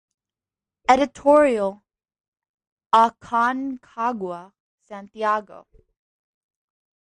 Editorial Aconcagua, Santiago.